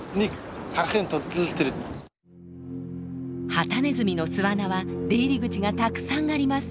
ハタネズミの巣穴は出入り口がたくさんあります。